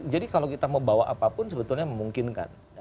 jadi kalau kita mau bawa apapun sebetulnya memungkinkan